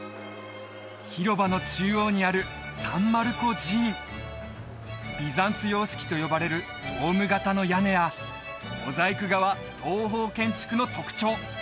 広場の中央にあるビザンツ様式と呼ばれるドーム型の屋根やモザイク画は東方建築の特徴